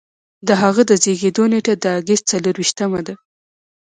د هغه د زیږیدو نیټه د اګست څلور ویشتمه ده.